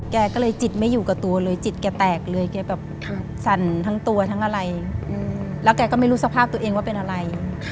แกก็เลยจิตไม่อยู่กับตัวเลยจิตแกแตกเลยแกแบบสั่นทั้งตัวทั้งอะไรแล้วแกก็ไม่รู้สภาพตัวเองว่าเป็นอะไร